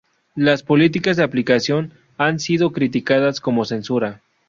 Las políticas de aplicación han sido criticadas como censura.